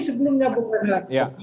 sebelumnya bukan lagi